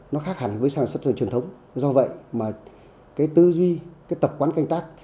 nó khác hẳn với sản xuất truyền thống do vậy mà tư duy tập quán canh tác